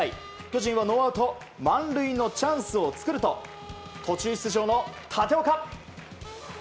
巨人はノーアウト満塁のチャンスを作ると途中出場の立岡。